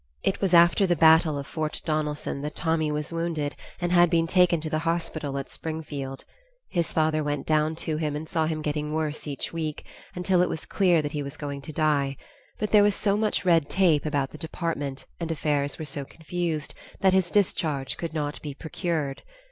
It was after the battle of Fort Donelson that Tommy was wounded and had been taken to the hospital at Springfield; his father went down to him and saw him getting worse each week, until it was clear that he was going to die; but there was so much red tape about the department, and affairs were so confused, that his discharge could not be procured.